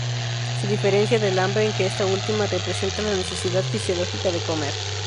Se diferencia del hambre en que esta última representa la necesidad fisiológica de comer.